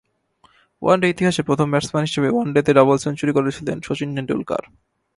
One day ইতিহাসে প্রথম batsman হিসেবে ওয়ানডেতে ডাবল সেঞ্চুরি করেছিলেন শচীন টেন্ডুলকার।